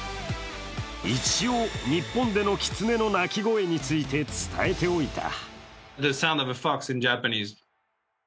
一応、日本でのきつねの鳴き声について伝えておいた。